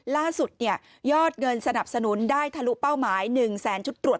ล่าสุดยอดเงินสนับสนุนได้ทะลุเป้าหมาย๑แสนชุดตรวจ